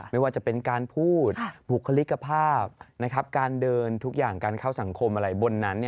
ไม่ว่าจะเป็นการพูดบุคลิกภาพการเดินทุกอย่างการเข้าสังคมอะไรบนนั้น